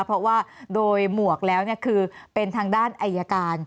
เพราะว่าโดยหมวกแล้วคือเป็นทางด้านอายการ